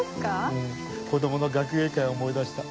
うん子供の学芸会を思い出した。